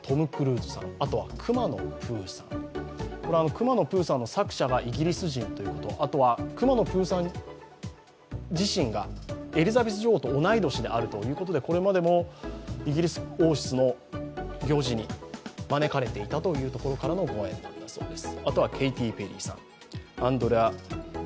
くまのプーさんの作者がイギリス人だということ、あとはくまのプーさん自身がエリザベス女王と同じ年ということでこれまでもイギリス王室の行事に招かれていたということからのご縁なんだそうです。